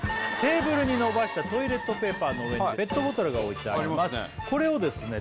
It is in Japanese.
テーブルにのばしたトイレットペーパーの上にペットボトルが置いてあります